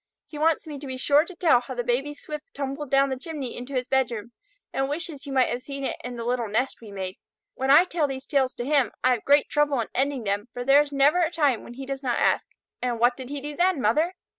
He wants me to be sure to tell how the baby Swift tumbled down the chimney into his bedroom, and wishes you might have seen it in the little nest we made. When I tell these tales to him, I have great trouble in ending them, for there is never a time when he does not ask: "And what did he do then Mother?"